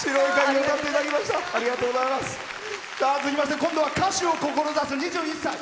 続きまして今度は歌手を志す２１歳。